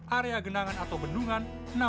area genangan atau bendungan